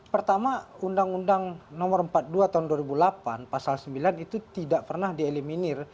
pertama undang undang nomor empat puluh dua tahun dua ribu delapan pasal sembilan itu tidak pernah dieliminir